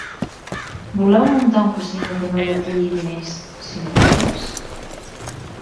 Voleu muntar un casino que no reculli diners sinó dades?